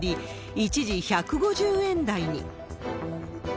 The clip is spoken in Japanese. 一時１５０円台に。